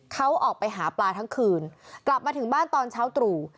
เขาออกไปหาปลาทั้งคืนกลับมาถึงบ้านตอนเช้าตรู่